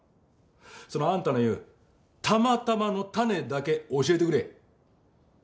そのあんたの言う「たまたま」のタネだけ教えてくれ。